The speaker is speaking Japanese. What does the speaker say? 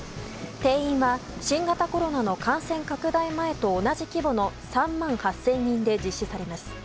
定員は新型コロナの感染拡大前と同じ規模の３万８０００人で実施されます。